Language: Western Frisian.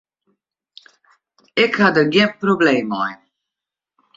Ik ha der gjin probleem mei.